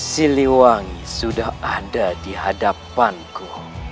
si liwangi sudah ada di hadapanku